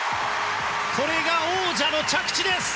これが王者の着地です！